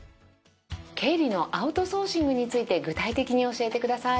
経理のアウトソーシングについて具体的に教えてください。